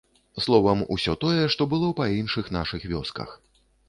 Словам, усё тое, што было па іншых нашых вёсках.